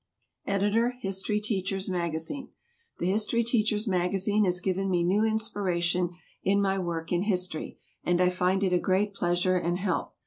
Editor HISTORY TEACHER'S MAGAZINE. THE HISTORY TEACHER'S MAGAZINE has given me new inspiration in my work in history, and I find it a great pleasure and help.